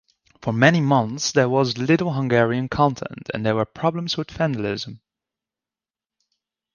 For many months there was little Hungarian content, and there were problems with vandalism.